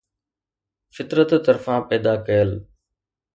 فطرت طرفان پيدا ڪيل